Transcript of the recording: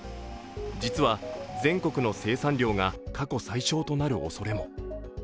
実は全国の生産量が過去最少となるおそれも。